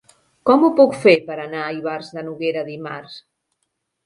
Com ho puc fer per anar a Ivars de Noguera dimarts?